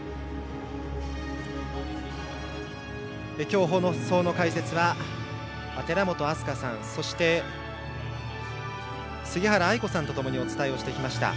今日、放送の解説は寺本明日香さんそして、杉原愛子さんとともにお伝えしてきました。